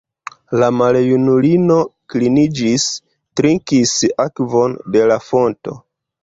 La maljunulino kliniĝis, trinkis akvon de la fonto.